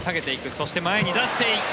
そして、前に出していく。